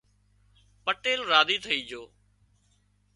پٽيل راضي ٿئي جھو